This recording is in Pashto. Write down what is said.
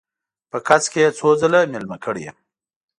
په کڅ کې یې څو ځله میلمه کړی یم.